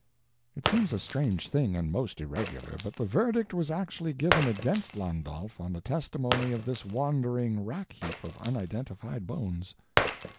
It seems a strange thing and most irregular, but the verdict was actually given against Landulph on the testimony of this wandering rack heap of unidentified bones.